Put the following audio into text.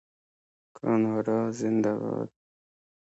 کاناډا زنده باد.